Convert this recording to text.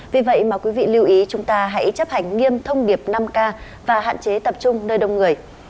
vì vậy mà quý vị lưu ý chúng ta hãy chấp hành nghiêm thông điệp năm k và hạn chế tập trung nơi đông người